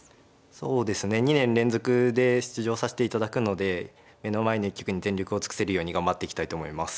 そうですね２年連続で出場させていただくので目の前の一局に全力を尽くせるように頑張っていきたいと思います。